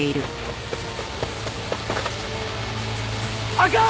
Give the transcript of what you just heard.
あかん！